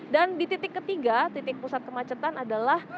dan di titik ketiga titik pusat kemacetan adalah